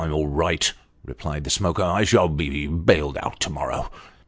I'm all right," replied the smoker. " I shall be bailed out to morrow."